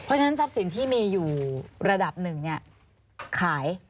เพราะฉะนั้นทรัพย์สินที่มีอยู่ระดับหนึ่งขาย